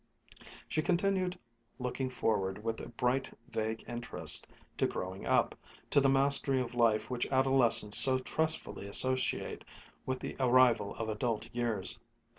She continually looked forward with a bright, vague interest to "growing up," to the mastery of life which adolescents so trustfully associate with the arrival of adult years.